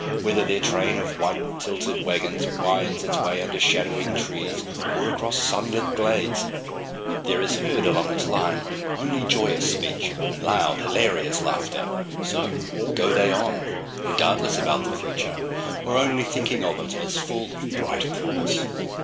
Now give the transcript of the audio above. Whether their train of white tilted wagons winds its way under shadowing trees, or across sunlit glades, there is heard along its line only joyous speech and loud hilarious laughter. So go they on, regardless about the future, or only thinking of it as full of bright promise.